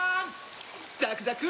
ザクザク！